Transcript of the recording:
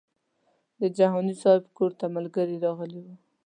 د جهاني صاحب کور ته ملګري راغلي وو.